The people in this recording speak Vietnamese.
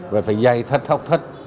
và phải dạy thật học thật